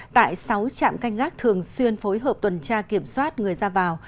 tại sáu trạm canh gác thường xuyên phối hợp tuần tra kiểm soát người ra vào